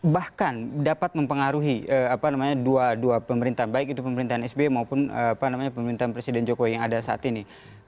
bahkan dapat mempengaruhi dua pemerintah baik itu pemerintahan sby maupun pemerintahan presiden jokowi yang ada saat ini